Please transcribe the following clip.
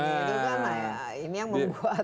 itu kan ini yang membuat